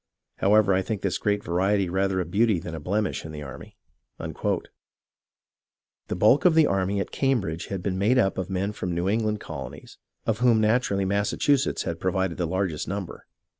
However, I think this great variety rather a beauty than a blemish in the army." The bulk of the army at Cambridge had been made up of men from the New England colonies, of whom naturally Massachusetts had provided the largest number.